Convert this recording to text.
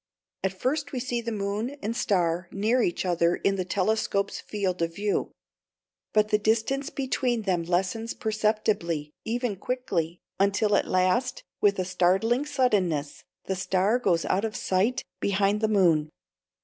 At first we see the moon and star near each other in the telescope's field of view. But the distance between them lessens perceptibly, even quickly, until at last, with a startling suddenness, the star goes out of sight behind the moon.